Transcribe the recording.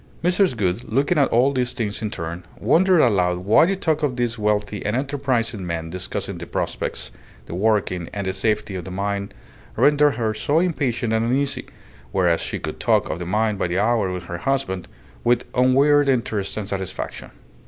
Mrs. Gould, looking at all these things in turn, wondered aloud why the talk of these wealthy and enterprising men discussing the prospects, the working, and the safety of the mine rendered her so impatient and uneasy, whereas she could talk of the mine by the hour with her husband with unwearied interest and satisfaction.